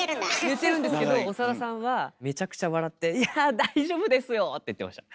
言ってるんですけど長田さんはめちゃくちゃ笑って「いや大丈夫ですよ！」って言ってました。